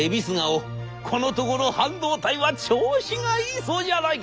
「このところ半導体は調子がいいそうじゃないか。